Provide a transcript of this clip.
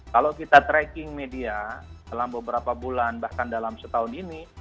kalau kita tracking media dalam beberapa bulan bahkan dalam setahun ini